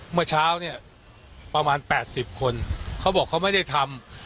เมื่อเช้าเนี่ยประมาณ๘๐คนเขาบอกเขาไม่ได้ทำ